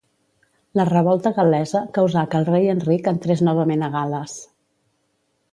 La revolta gal·lesa causà que el rei Enric entrés novament a Gal·les.